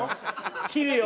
切るよ。